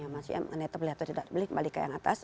masih beli atau tidak beli kembali ke yang atas